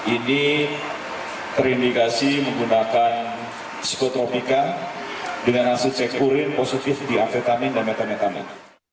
ini terindikasi menggunakan spetropika dengan hasil tes urin positif di amfetamin dan metametamin